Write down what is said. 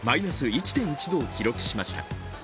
１．１度を記録しました。